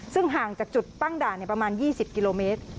ซึ่งห่างจากจุดตั้งด่านประมาณ๒๐กิโลเมตร